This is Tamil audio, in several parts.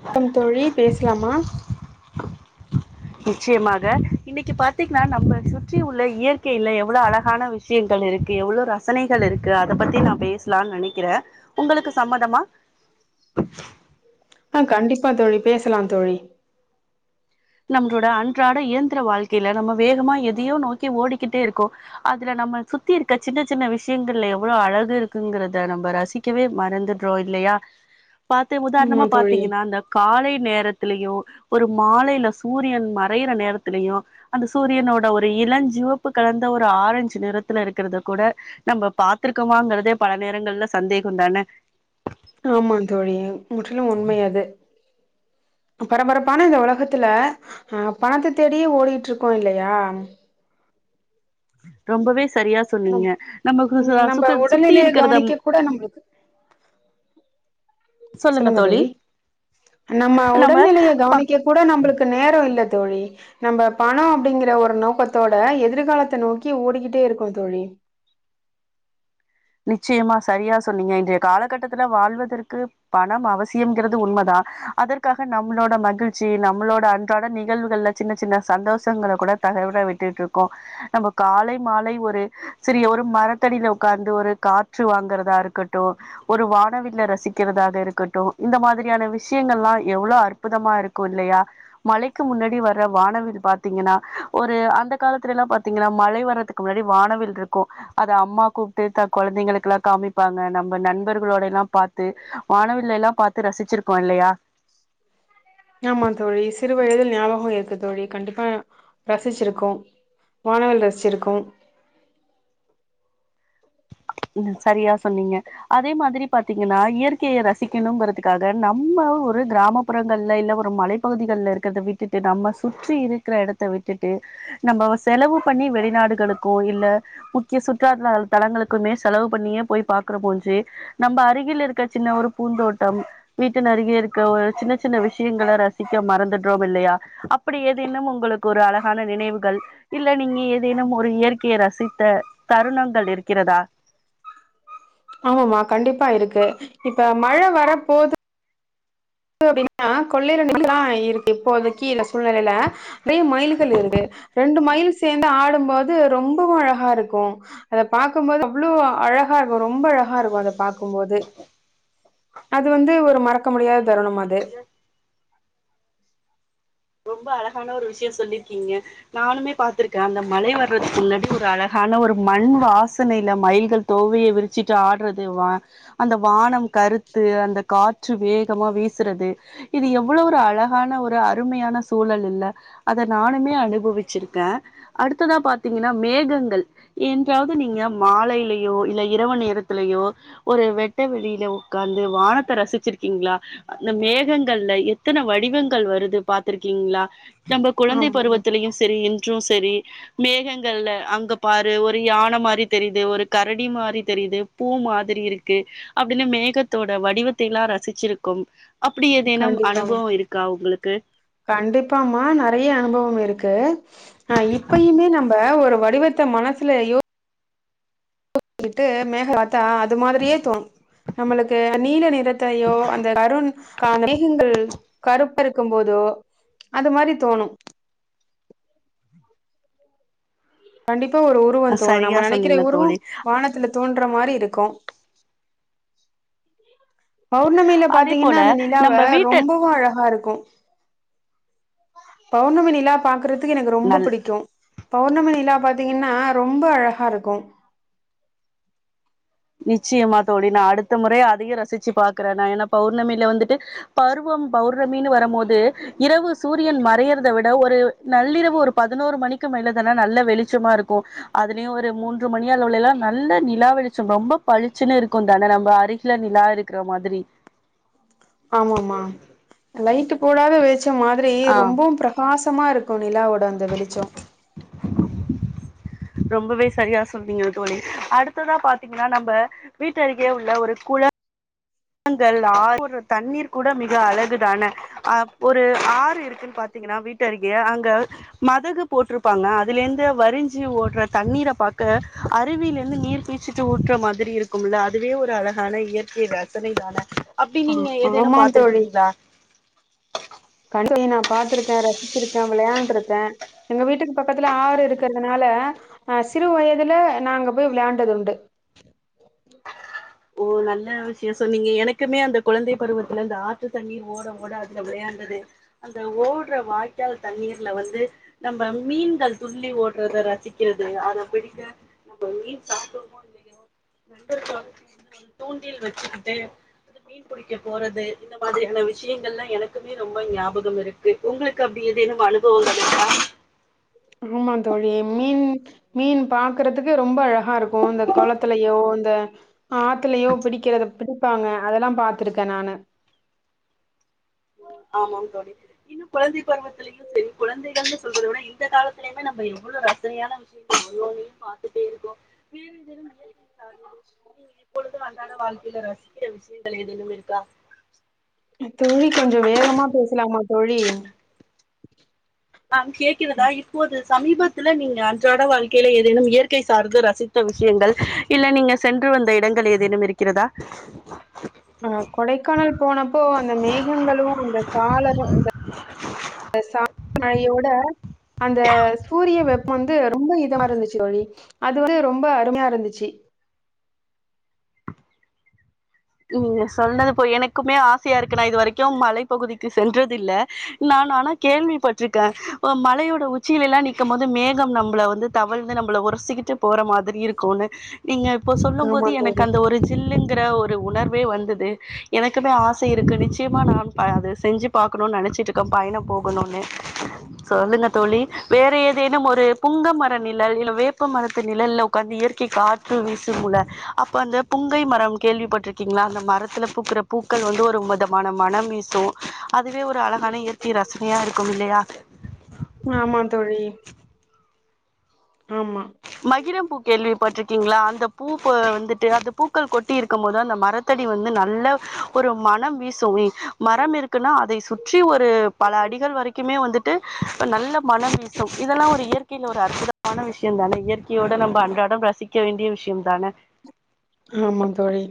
வணக்கம் தோழி பேசலாமா நிச்சயமாக இன்னிக்கி பாத்தீங்கன்னா நம்மள சுற்றி உள்ள இயற்கைல எவ்ளோ அழகான விஷ் விஷயங்கள் இருக்கு எவ்ளோ ரசனைகள் இருக்கு அத பத்தி நா பேசலாம்னு நெனைக்கிறே உங்களுக்கு சம்மதமா ஆ கண்டிப்பா தோழி பேசலாம் தோழி நம்மளோட அன்றாட இயந்திர வாழ்க்கைல நம்ம வேகமா எதயோ நோக்கி ஓடிக்கிட்டே இருக்கோ அதுல நம்ம சுத்தி இருக்க சின்ன சின்ன விஷயங்கள்ல எவ்ளோ அழகு இருக்குங்கறத நம்ம ரசிக் கவே மறந்துட்றோ இல்லயா பாத்து ஆமா உதாரணமா தோழி பாத்தீங்கன்னா இந்த காலை நேரத்திலயு ஒரு மாலைல சூரியன் மறையிற நேரத்துலையு அந்த சூரியனோட ஒரு இளஞ்சிவப்பு கலந்த ஒரு ஆரஞ்சு நிறத்துல இருக்கறத கூட நம்ம பாத்திருக்கோமாங்கறதே பல நேரங்கள்ல சந்தேகம் தானே ஆமா தோழி முற்றிலு உண்மை அது நம் பரபரப்பான இந்த உலகத்துல அ பணத்த தேடியே ஓடிட்டு இருக்கோ இல்லையா ரொம்பவே சரியா சொன்னீங்க ம் நம்மக்கு சு நம்ம சுக்கு சுத்தி உடல்நிலைய இருக்கறத கவனிக்க கூட நம்மளுக்கு சொல்லுங்க தோழி நம்ம உடல்நிலைய ப கவனிக்க கூட நம்மளுக்கு நேரம் இல்ல தோழி நம்ம பணோ அப்டிங்கிற ஒரு நோக்கத்தோட எதிர்காலத்த நோக்கி ஓடிக்கிட்டே இருக்கோ தோழி நிச்சயமா சரியா சொன்னீங்க இன்றைய கால கட்டத்துல வாழ்வதற்கு பணம் அவசியம் இங்கறது உண்மதா அதற்காக நம்மளோட மகிழ்ச்சி நம்மளோட அன்றாட நிகழ்வுகள்ல சின்ன சின்ன சந்தோஷங்கள கூட தவற விட்டுட்டு இருக்கோ நம்ம காலை மாலை ஒரு சிறிய ஒரு மரத்தடில ஒக்காந்து ஒரு காற்று வாங்கறதா இருக்கட்டு ஒரு வானவில்ல ரசிக்கிறதாக இருக்கட்டு இந்த மாதிரியான விஷயங்கள்லா எவ்ளோ அற் புதமா இருக்கு இல்லையா மழைக்கு முன்னாடி வர்ற வானவில் பாத்தீங்கன்னா ஒரு அந்த காலத்துல எல்லா பாத்தீங்கன்னா மழை வர்றதுக்கு முன்னாடி வானவில் இருக்கு அத அம்மா கூப்புட்டு த கொழந்தைங்களுக்கு எல்லா காமிப்பாங்க நம்ம நண்பர்களோட எல்லா பாத்து வானவில் எல்லா பாத்து ரசிச்சிருக்கோ இல்லையா ஆமா தோழி சிறு வயதில் ஞாபகோ இருக்கு தோழி கண்டிப்பா ரசிச்சிருக்கோ வானவில் ரசிச்சிருக்கோ ம் சரியா சொன்னீங்க அதே மாரி பாத்திங்கன்னா இயற்கைய ரசிக்கணுங்றதுக்காக நம்ம ஒரு கிராம ப்புறங்கள்ல இல்ல ஒரு மலை பகுதிகள்ல இருக்கிறத விட்டுட்டு நம்ம சுற்றி இருக்கிற எடத்த விட்டுட்டு நம்ம செலவு பண்ணி வெளிநாடுகளுக்கோ இல்ல முக்கிய சுற்றுலா த தலங்களுக் குமே செலவு பண்ணியே போய் பாக்கறமோஞ்சு நம்ப அருகில் இருக்க சின்ன ஒரு பூந்தோட்டம் வீட்டின் அருகே இருக்க ஒரு சின்ன சின்ன விஷயங்கள ரசிக்க மறந்துடுறோம் இல்லையா அப்படி ஏதேனும் உங்களுக்கு ஒரு அழகான நினைவுகள் இல்ல நீங்க ஏதேனும் ஒரு இயற்கையை ரசித்த தருணங்கள் இருக்கிறதா ஆமாமா கண்டிப்பா இருக்கு இப்ப மழ வர போது அப்படின்னா கொல்லை [inaudible] எல்லா இருக்கு இப்போதைக்கு இந்த சூழ்நிலையில நெறைய மயில்கள் இருக்கு ரெண்டு மயில் சேந்து ஆடும்போது ரொம்பவு அழகா இருக்கு அத பாக்கும்போது அவ்ளோ அழகா இருக்கு ரொம்ப அழகா இருக்கு அத பாக்கும்போது அது வந்து ஒரு மறக்க முடியாத தருணம் அது ரொம்ப அழகான ஒரு விஷய சொல்லிருக்கிங்க நானுமே பாத்திருக்கே அந்த மழை வர்றதுக்கு முன்னாடி ஒரு அழகான ஒரு மண் வாசனையில மயில்கள் தோவய விரிச்சிட்டு ஆடுறது வா அந்த வானம் கறுத்து அந்த காற்று வேகமா வீசுறது இது எவ்ளோ ஒரு அழகான ஒரு அருமையான சூழல் இல்ல அத நானுமே அனுபவிச்சிருக்க அடுத்ததா பாத்திங்கன்னா மேகங்கள் என்றாவது நீங்க மாலையிலயோ இல்ல இரவு நேரத்திலயோ ஒரு வெட்ட வெளியில உக்காந்து வானத்த ரசிச்சிருக்கிங்ளா அந்த மேகங்கள்ல எத்தன வடிவங்கள் வருது பாத்துருக்கிங்ளா நம்ம குழந்தை ஆமாமா பருவத்திலயு செரி இன்று சரி மேகங்கள்ல அங்க பாரு ஒரு யான மாரி தெரிது ஒரு கரடி மாரி தெரிது பூ மாதிரி இருக்கு அப்படின்னு மேகத்தோட வடிவத்தை எல்லா ரசிச்சிருக்கும் அப்படி ஏதேனும் கண்டிப்பாமா அனுபவ இருக்கா உங்களுக்கு கண்டிப்பாமா நெறைய அனுபவம் இருக்கு ஆ இப்பயுமே நம்ம ஒரு வடிவத்த மனசுல யூ கிச்சுட்டு மேகத்த பாத் தா அது மாதிரியே தோணு நம்மளுக்கு நீல நிறத்தையோ அந்த கரு மேகங்கள் கருப்ப இருக்கும் போதோ அது மாரி தோணு கண்டிப்பா ஒரு உருவ தோணு சரியா நம்ம நெனைக்கிற சொன்னீங்க உருவம் தோழி வானத்துல தோன்ற மாரி இருக்கு பௌர்ணமில அதே பாத்திங்கன்னா போல அந்த நிலாவ நம்ம வீட்ட ரொம்பவு அழகா இருக்கு பௌர்ணமி நிலா பாக்குறதுக்கு எனக்கு ரொம்ப நல்ல பிடிக்கு பௌர்ணமி நிலா பாத்திங்கன்னா ரொம்ப அழகா இருக்கு நிச்சயமா தோழி நா அடுத்த முறை அதையு ரசிச்சு பாக்கற நா ஏனா பௌர்ணமில வந்துட்டு பருவம் பௌர்ணமின்னு வரம்போது இரவு சூரியன் மறையறத விட ஒரு நள்ளிரவு ஒரு பதினோரு மணிக்கு மேல தானா நல்ல வெளிச்சமா இருக்கு அதலியு ஒரு மூன்று மணி அளவுல எல்லா நல்ல நிலா வெளிச்சம் ரொம்ப பளிச்சுன்னு இருக்குந்தான நம்ம அருகில நிலா இருக்கிற மாதிரி ஆமாமா லைட்டு போடாத வெளிச்சம் மாதிரி ஆ ரொம்பவு பிரகாசமா இருக் கு நிலாவோட அந்த வெளிச்சோ ரொம்பவே சரியா சொன்னிங்க தோழி அடுத்ததா பாத்திங்கன்னா நம்ப வீட்டருகே உள்ள ஒரு குள ங்கள் ஆ ஒரு தண்ணீர் கூட மிக அழகுதான அ ஒரு ஆறு இருக்குன்னு பாத்தீங்கன்னா வீட்டு அருகே அங்க மதகு போட்ருப்பாங்க அதுல இருந்து வரிஞ்சு ஓடுற தண்ணீர பாக்க அருவில இருந்து நீர்பீச் சிட்டு ஊற்ற மாரி இருக்கும்ல அதுவே ஒரு அழகான இயற்கை ரசனை தான அப்டி ஆ நீங்க ஏதேனு ஆமா தோழி பாத்துருக்கீங்களா [inaudible] நா பாத்திருக்கே ரசிச்சிருக்கே வெளையாண்ட்ருக்கே எங்க வீட்டுக்கு பக்கத்துல ஆறு இருக்குறதுனால அ சிறு வயதுல நாங்க போய் வெளையாண்டது உண்டு ஓ நல்ல விஷய சொன்னீங்க எனக்குமே அந்த கொழந்தை பருவத்துல இந்த ஆத்து தண்ணி ஓட ஓட அதுல வெளையாண்டது அந்த ஓடுற வாய்க்கால் தண்ணீர்ல வந்து நம்ம மீன்கள் துள்ளி ஓடுறத ரசிக்கிறது அதப்பிடிங்க நம்ம மீன் சாப்றோமோ இல்லயோ நண்பர் [inaudible] தூண்டில் வெச்சுக்கிட்டு இது மீன் புடிக்க போறது இந்த மாதிரியான விஷயங்கள்லா எனக்குமே ரொம்ப ஞாபகம் இருக்கு உங்களுக்கு அப்டி ஏதேனும் அனுபவங்கள் இருக்கா ஆமா தோழி மீன் மீன் பாக்குறதுக்கு ரொம்ப அழகா இருக் கு இந்த கொளத்துலயோ இந்த ஆத்துலயோ பிடிக்கிறத பிடிப்பாங்க அதெல்லா பாத்துருக்கே நானு ஆமாம் தோழி இன்னு கொழந்தை பருவத்துல யு செரி கொழந்தைகள்னு சொல்றத விட இந்த காலத்திலயுமே நம்ம இவ்ளோ ரசனையான விஷ் அவ்ளோவையும் பாத்துட்டே இருக்கோ வேற ஏதேனும் [inaudible] [inaudible] இப்பொழுது அன்றாட வாழ்க்கையில ரசிக்கிற விஷயங்கள் ஏதேனும் இருக்கா தோழி கொஞ்ச வேகமா பேசலாமா தோழி ஆம் கேக்கிறதா இப்போது சமீபத்துல நீங்க அன்றாட வாழ்க்கையில ஏதேனும் இயற்கை சார்ந்த ரசித் த்த விஷயங்கள் இல்ல நீங்க சென்று வந்த இடங்கள் ஏதேனும் இருக்கிறதா அ கொடைக்கானல் போனப்போ அந்த மேகங்களு அந்த காலரும் இந்த அந்த சா [inaudible] மழையோட அந்த சூரிய வெப்ப வந்து ரொம்ப இதமா இருந்துச்சு தோழி அது வந்து ரொம்ப அருமையா இருந்துச்சு நீங்க சொன்னது போ எனக்குமே ஆசையா இருக்கு நா இது வரைக்கு மலைப்பகுதிக்கு சென்றது இல்ல நான் ஆனா கேள்விப்பட்டிருக்கே மலையோட உச்சிலல எல்லா நிக்கும் போது மேகம் நம்மள வந்து தவழ்ந்து நம்மள உரசிக்கிட்டு போற மாதிரி இருக்குன்னு நீங்க இப்போ சொல்லும் ஆமா போது எனக்கு தோழி அந்த ஒரு ஜில்லுங்கிற ஒ ரு உணர்வே வந்தது எனக்குமே ஆசை இருக்கு நிச்சயமா நானு ப அது செஞ்சு பாக்கணு நெனைச்சிட்ருக்கே பயணோ போகனுன்னு சொல்லுங்க தோழி வேற ஏதேனும் ஒரு புங்க மர நிழல் இல்ல வேப்ப மரத்து நிழல்ல உக்காந்து இயற்கை காற்று வீசு முல அப்ப அந்த புங்கை மரம் கேள்விப்பட் ருக்கீங்களா அந்த மரத்தில பூக்குற பூக்கள் வந்து ஒரு மதமான மனம் வீசு அதுவே ஒரு அழகான இயற் கை ரசனையா இருக்கும் இல்லையா ஆமாந்தோழி ஆமா மகிரம் பூ கேள்வி பட்டிருக்கீங்களா அந்த பூ ப வந்துட்டு அந்த பூக்கள் கொட்டி இருக்கும் போது அந்த மரத் தடி வந்து நல்ல ஒரு மனம் வீசுமே மரம் இருக்குன்னா அதை சுற்றி ஒரு பல அடிகள் வரைக்குமே வந்துட்டு நல்ல மன வீசும் இதெல்லா ஒரு இயற்கையில் ஒரு அற்புதமான விஷயம் தானே இயற்கையோட நம்ம அன்றாடம் ரசிக்க வேண்டிய விஷயம் தான ஆமாந் தோழி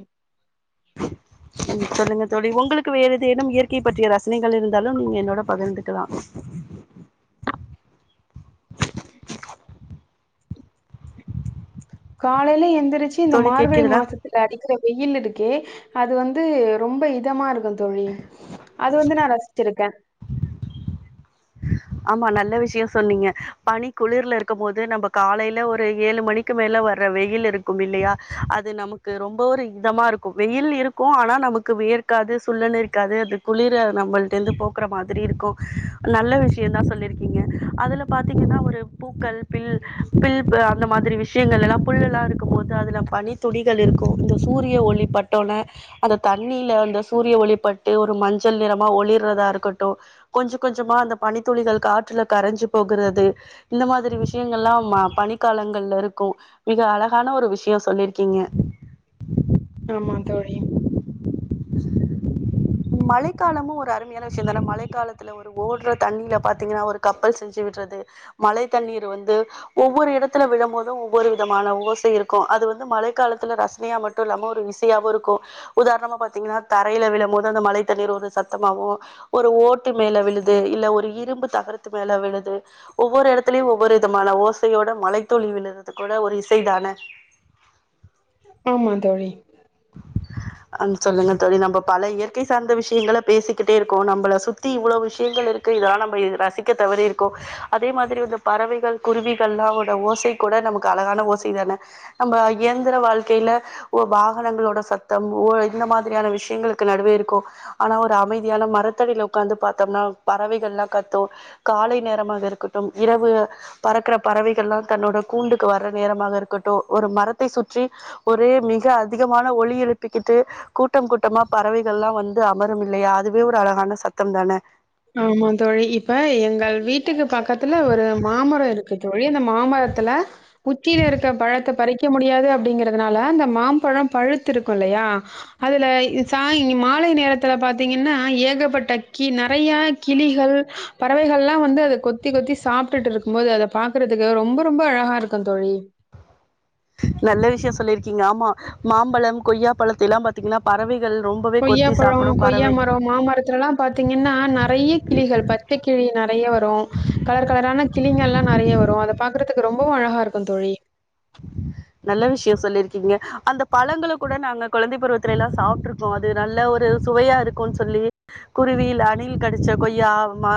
[inaudible] ம் சொல்லுங்க தோழி உங்களுக்கு வேற ஏதேனும் இயற்கை பற்றிய ரசனைகள் இருந்தாலு நீங்க என்னோட பகிர்ந்துக்கலா காலையில எந்திரிச்சு இந்த தோழி மார்கழி கேட்கிறதா மாசத் துல அடிக்கிற வெயில் இருக்கே அது வந்து ரொம்ப இதமா இருக்கு தோழி அது வந்து நா ரசிச்சிருக்கே ஆமா நல்ல விஷயம் சொன்னீங்க பனி குளிர்ல இருக்கும் போது நம்ம காலையில ஒரு ஏழு மணிக் கு மேல வர்ற வெயில் இருக்கும் இல்லையா அது நமக்கு ரொம்ப ஒரு இதமா இருக்கும் வெயில் இருக் கு ஆனா நமக்கு வேர்காது சுல்லுனு இருக்காது அது குளிர நம்மள்ட்டேந்து போக்குற மாதிரி இருக்கு நல்ல விஷ யந்தா சொல்லிருக்கீங்க அதுல பாத்தீங்கன்னா ஒரு பூக்கள் பில் பில் அந்த மாதிரி வி ஷயங்கள் எல்லா புல்லு எல்லா இருக்கும் போது அதுல பனி துளிகள் இருக்கு இந்த சூரிய ஒளி பட்டோன அந்த தண்ணில அந்த சூரிய ஒளிப்பட்டு ஒரு மஞ்சள் நிறமா ஒளிர்றதா இருக்கட்டு கொஞ்ச கொஞ்சமா அந்த பனித்துளிகள் காற்றுல கரைஞ்சு போகுறது இந்த மாதிரி வி ஷயங்கள்லா ம பனிக்காலங்கள்ல இருக்கு, மிக அழகான ஒரு விஷயம் சொல்லிருக்கீங்க ஆமா தோழி மழைக்காலமு ஒரு அருமையான விஷயந்தானா மழைக்காலத்துல ஒரு ஓடுற தண்ணீல பாத்தீங்கன்னா ஒரு கப்பல் செஞ்சு விட்றது மழை தண்ணீர் வந்து ஒவ்வொரு இடத்துல விழும்போதும் ஒவ்வொரு விதமான ஓசை இருக்கு அது வந்து மழைக்காலத்துல ரச னையா மட்டு இல்லாம ஒரு இசையாவு இருக்கு உதாரணமா பாத் தீங்கன்னா தரையில விழும்போது அந்த மழை தண்ணீர் ஒரு சத்தமாவு ஒரு ஓட்டு மேல விழுது இல்ல ஒரு இரும்பு தகரத்து மேல விழுது ஒவ்வொரு எடத்துலயு ஒவ்வொரு விதமான ஓசையோட மழைத்துளி விழுறது கூட ஒரு இசைதான ஆமா தோழி ஆ சொல்லுங்க தோழி நம்ம பல இயற்கை சார்ந்த விஷயங்கள பேசிக்கிட்டே இருக்கோ நம்பள சுத் தி இவ்ளோ விஷயங்கள் இருக்கு இதல்லா நம்ப ரசிக்க தவறிருக்கோ அதே மாதிரி இந்த பறவைகள் குருவிகள்லா ஓசை கூட நமக்கு அழகான ஓசைதான நம்ப இயந்திர வாழ்க்கையில ஒரு வா வாகனங்களோட சத்தம் ஒ இந்த மாதிரியான விஷயங்களுக்கு நடுவே இருக்கோ ஆனா ஒரு அமைதியான மரத்தடியில உக்காந்து பாத்தோம்னா பறவைகள் எல்லா கத்து காலை நேரமாக இருக்கட்டும் இரவு பறக்கறப் பறவைகள்லா தன்னோட கூண்டுக்கு வர நேரமாக இருக்கட்டு ஒரு மரத்தை சுற்றி ஒரே மிக அதிகமான ஒளி எழுப்பிக்கிட்டு கூட்டம் கூட்டமா பறவைகள்லா வந்து அமரும் இல்லையா அதுவே ஒரு அழகான சத்தம்தான ஆமா தோழி இப்ப எங்கள் வீட்டுக்கு பக்கத்துல ஒரு மாமரம் இருக்கு தோழி அந்த மாமரத்துல உச்சியில இருக்க பழத்த பறிக் க முடியாது அப்டிங்கிறதுனால அந்த மாம்பழம் பழுத்து இருக்கு இல்லயா அதுல ச மாலை நேரத்துல பாத்தீங்கன்னா ஏகப்பட்ட கீ ந றையா கிளிகள் பறவைகள்லா வந்து அத கொத்தி கொத்தி சாப்டுட்டு இருக்கும்போது அத பாக்குறதுக்கு ரொம்ப ரொம்ப அழகா இருக்கு தோழி நல்ல விஷய சொல்லிருக்கீங்க ஆமா மாம்பழம் கொய்யா பழத்த எல்லா பா கொய்யாப்பழோ, பறவை கொய்யாமரம் மாமரத்துலல்லா பாத்தீங்கன்னா நறைய கிளிகள் பச் சை கிளி நறைய வரு கலர் கலரான கிளிங்கள்லா நறைய வரு அதை பாக்குறதுக்கு ரொம்பவு அழகா இருக்கு தோழி நல்ல விஷய சொல்லிருக்கீங்க அந்த பழங்கள கூட நாங்க குழந்தை பருவத்துல எல்லா சாப்ட்டுருக் கோ அது நல்ல ஒரு சுவையா இருக்குன்னு சொல்லி குருவில் அணில் கடிச்ச கொய்யா மா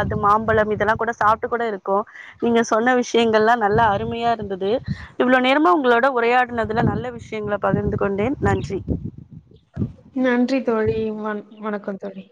அது மா மாம்பழம் இதெல்லா கூட சாப்ட்டு கூட இருக்கோ நீங்க சொன்ன விஷயங்கள்லா நல்லா அருமையா இருந்தது இவ்ளோ நேரமா உங்களோட உரையாடினதுல நல்ல விஷயங்கள பகிர்ந்து கொண்டேன் நன்றி நன்றி தோழி வண் வணக்கோ தோழி